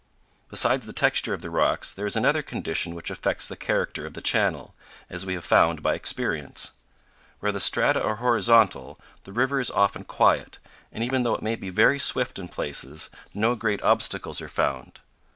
Besides the texture of the rocks, there is another condition which affects the character of the channel, as we have found by experience. Where the strata are horizontal the river is often quiet, and, even though it may be very swift in places, no great obstacles are found.